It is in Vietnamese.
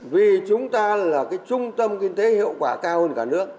vì chúng ta là trung tâm kinh tế hiệu quả cao hơn cả